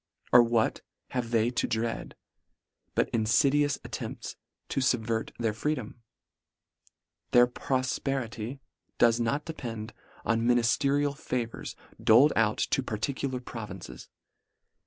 Or what have they to dread, but infidious attempts to fubvert their freedom ? Their profperity does not depend on minifterial favours doled out to particular provinces.